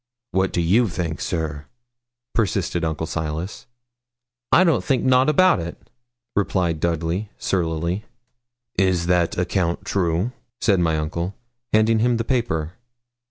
'What do you think, sir?' persisted Uncle Silas. 'I don't think nout about it,' replied Dudley, surlily. 'Is that account true?' said my uncle, handing him the paper.